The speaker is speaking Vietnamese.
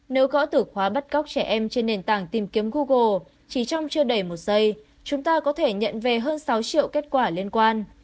nếu gõ tử khóa bắt cóc trẻ em trên nền tảng tìm kiếm google chỉ trong chưa đầy một giây chúng ta có thể nhận về hơn sáu triệu kết quả liên quan